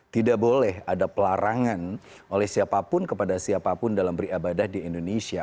tidak boleh ada pelarangan oleh siapapun kepada siapapun dalam beribadah di indonesia